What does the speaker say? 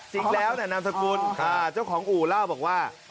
จริงแล้วนามสกุลเจ้าของอู่เล่าบอกว่า